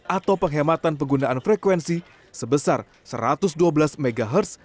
atau penghematan penggunaan frekuensi sebesar satu ratus dua belas mhz